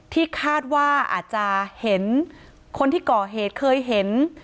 ที่คาดว่าอาจจะเห็นคนที่ก่อเหตุเคยเห็น